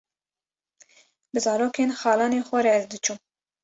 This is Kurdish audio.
bi zarokên xalanê xwe re ez diçûm